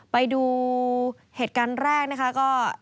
ไปดูเหตุการณ์แรกนะคะก็